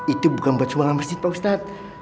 itu bukan buat sumbangan bersih pak ustadz